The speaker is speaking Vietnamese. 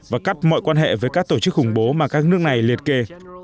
và cắt mọi quan hệ với các tổ chức khủng bố mà các nước này liệt kê